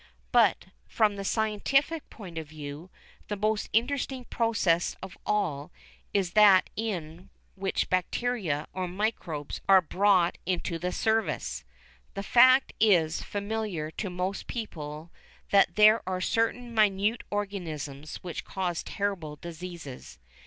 But, from the scientific point of view, the most interesting process of all is that in which bacteria or microbes are brought into the service. The fact is familiar to most people that there are certain minute organisms which cause terrible diseases.